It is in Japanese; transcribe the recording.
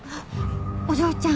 お嬢ちゃん